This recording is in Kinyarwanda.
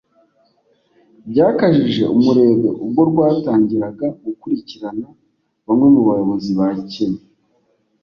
Byakajije umurego ubwo rwatangiraga gukurikirana bamwe mu bayobozi ba Kenya